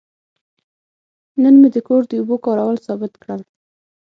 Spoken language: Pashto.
نن مې د کور د اوبو کارول ثابت کړل.